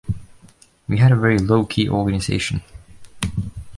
We had a very low-key organization.